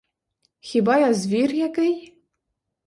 Хіба я звір який?